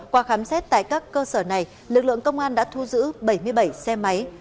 qua khám xét tại các cơ sở này lực lượng công an đã thu giữ bảy mươi bảy xe máy